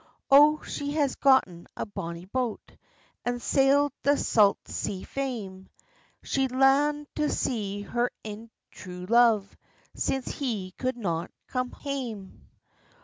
O she has gotten a bonny boat, And sailld the sa't sea fame; She langd to see her ain true love, Since he could no come hame.